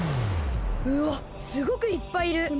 うわっすごくいっぱいいる！